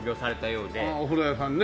お風呂屋さんね。